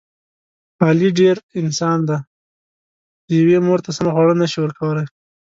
علي ډېر..... انسان دی. یوې مور ته سمه خواړه نشي ورکولی.